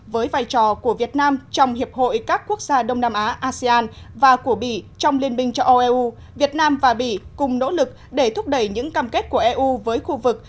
với vai trò của việt nam trong hiệp hội các quốc gia đông nam á và của bì trong liên minh cho eu việt nam và bì cùng nỗ lực để thúc đẩy những cam kết của eu với khu vực